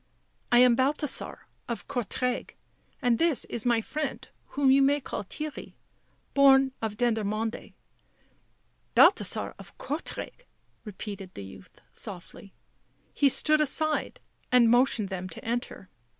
I am Balthasar of Courtrai and this is my friend, whom you may call Theirry, born of Dendermonde." " Balthasar of Courtrai!" repeated the youth softly; he stood aside and motioned to them to enter.